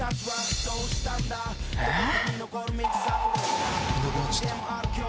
えっ？